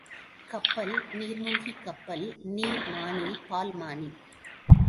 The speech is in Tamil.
கப்பல், நீர்மூழ்கிக் கப்பல், நீர்மானி, பால்மானி.